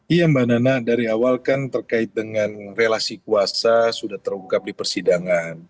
iya mbak nana dari awal kan terkait dengan relasi kuasa sudah terungkap di persidangan